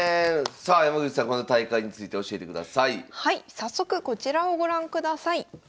早速こちらをご覧ください。